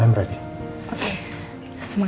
saya tunggu di sini ya pak